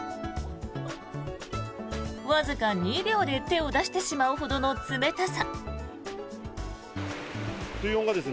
わずか２秒で手を出してしまうほどの冷たさ。